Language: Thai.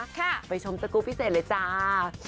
ไปชมสกูลพิเศษเลยจ้า